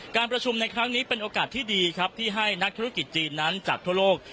การประชุมในครั้งนี้เป็นโอกาสที่ดีครับที่ให้นักธุรกิจจีนนั้นจากทั่วโลก